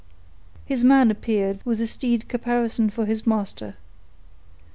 His man appeared with the steed caparisoned for its master.